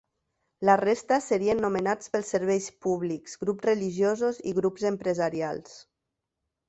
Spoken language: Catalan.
La resta serien nomenats pels serveis públics, grups religiosos i grups empresarials.